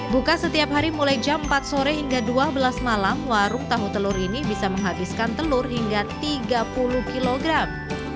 buka setiap hari mulai jam empat sore hingga dua belas malam warung tahu telur ini bisa menghabiskan telur hingga tiga puluh kilogram